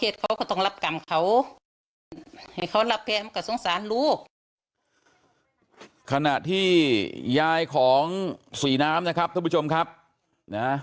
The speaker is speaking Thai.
นางพ่อเขาก็คิดเขาก็ต้องรับกรรมเขา